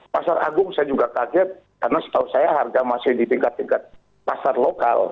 pasar agung saya juga kaget karena setahu saya harga masih di tingkat tingkat pasar lokal